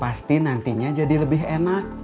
pasti nantinya jadi lebih enak